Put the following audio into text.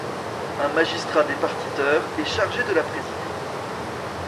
Un magistrat départiteur est chargé de la présider.